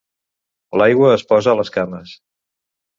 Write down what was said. L'aigua es posa a les cames.